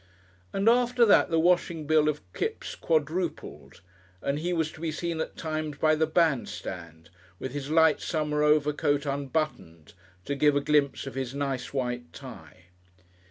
And after that the washing bill of Kipps quadrupled, and he was to be seen at times by the bandstand with his light summer overcoat unbuttoned to give a glimpse of his nice white tie.